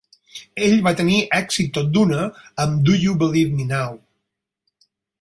Ell va tenir èxit tot d'una amb Do You Believe Me Now.